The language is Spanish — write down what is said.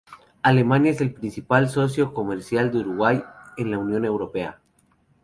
Alemania es el principal socio comercial de Uruguay en el Unión Europea.